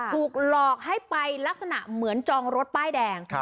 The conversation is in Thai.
ถูกหลอกให้ไปลักษณะเหมือนจองรถป้ายแดง